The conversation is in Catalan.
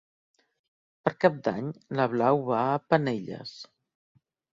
Per Cap d'Any na Blau va a Penelles.